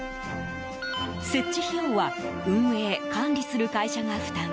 設置費用は運営・管理する会社が負担。